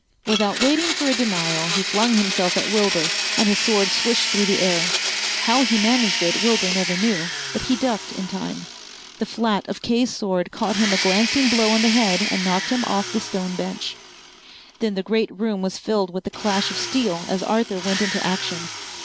Without waiting for a denial he flung himself at Wilbur and his sword swished through the air. How he managed it Wilbur never knew, but he ducked in time. The flat of Kay's sword caught him a glancing blow on the head and knocked him off the stone bench. Then the great room was filled with the clash of steel as Arthur went into action.